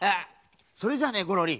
それじゃあねゴロリ。